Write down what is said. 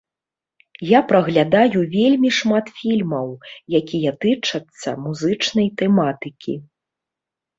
Я праглядаю вельмі шмат фільмаў, якія тычацца музычнай тэматыкі.